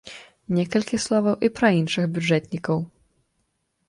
Некалькі словаў і пра іншых бюджэтнікаў.